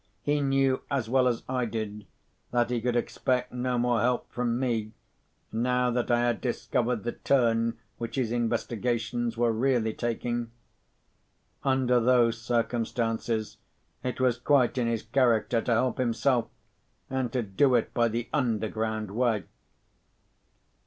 He knew, as well as I did, that he could expect no more help from me, now that I had discovered the turn which his investigations were really taking. Under those circumstances, it was quite in his character to help himself, and to do it by the underground way.